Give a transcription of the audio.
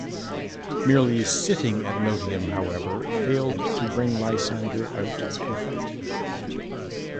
Merely sitting at Notium, however, failed to bring Lysander out to fight.